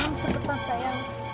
tunggu sebentar sayang